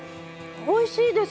おいしいです！